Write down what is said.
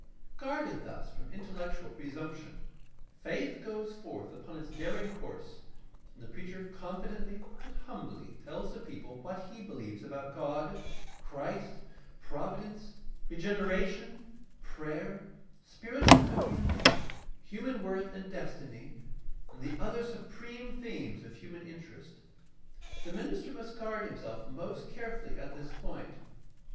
Guarded thus from intellectual pre PRACTICAL THEOLOGY 587 sumption, faith goes forth upon its daring course, and the preacher confidently but humbly tells the people what he believes about God, Christ, Providence, regeneration, prayer, spiritual communion, human worth and destiny, and the other supreme themes of human interest. The minister must guard himself most carefully at this point.